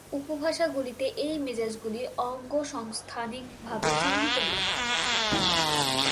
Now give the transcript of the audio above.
উপভাষাগুলিতে এই মেজাজগুলি অঙ্গসংস্থানিকভাবে চিহ্নিত নয়।